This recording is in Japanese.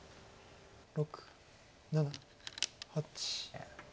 ６７８。